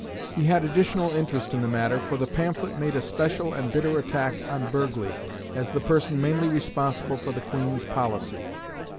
He had additional interest in the matter, for the pamphlet made a special and bitter attack on Burghley, as the person mainly responsible for the Queen's policy.